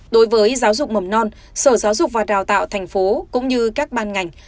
đối với giáo dục mầm non sở giáo dục và đào tạo tp hcm cũng như các ban ngành